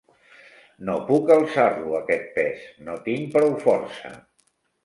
No puc alçar-lo, aquest pes: no tinc prou força.